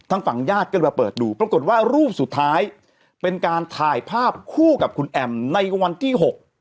ทางฝั่งญาติก็เลยมาเปิดดูปรากฏว่ารูปสุดท้ายเป็นการถ่ายภาพคู่กับคุณแอมในวันที่หก